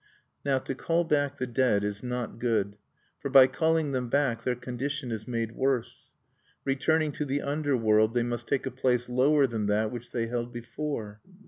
Now to call back the dead is not good. For by calling them back their condition is made worse. Returning to the underworld, they must take a place lower than that which they held before.